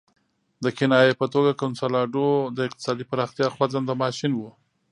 د کنایې په توګه کنسولاډو د اقتصادي پراختیا خوځنده ماشین وو.